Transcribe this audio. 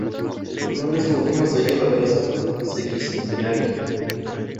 Cruzando esta última se halla la Plaza Sesquicentenario.